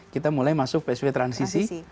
kita mulai masuk psbb transisi